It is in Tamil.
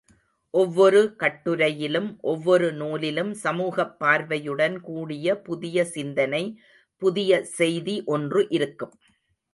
ஒவ்வொரு கட்டுரையிலும் ஒவ்வொரு நூலிலும் சமூகப் பார்வையுடன் கூடிய புதிய சிந்தனை, புதிய செய்தி ஒன்று இருக்கும்.